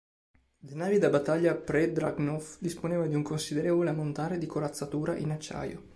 Le navi da battaglia pre-dreadnought disponevano di un considerevole ammontare di corazzatura in acciaio.